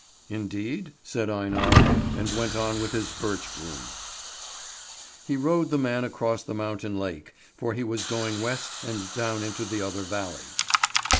"Indeed?" said Einar, and went on with his birch broom. He rowed the man across the mountain lake, for he was going west and down into the other valley.